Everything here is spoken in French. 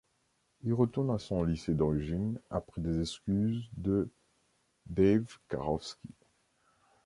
Il retourne à son lycée d'origine après des excuses de Dave Karofsky.